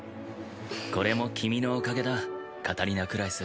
これも君のおかげだカタリナ・クラエス。